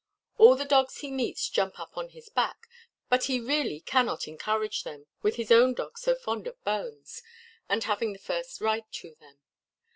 All the dogs he meets jump up on his back; but he really cannot encourage them, with his own dog so fond of bones, and having the first right to them.